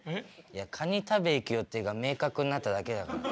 いやカニ食べ行く予定が明確になっただけだから。